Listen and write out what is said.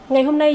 ngày hôm nay